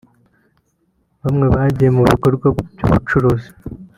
Bamwe bagiye mu bikorwa by’ubucuruzi